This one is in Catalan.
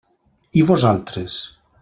I vosaltres?